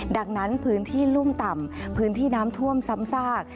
ดังนั้นพื้นที่รุ่มต่ำพื้นที่น้ำท่วมซ้ำซาก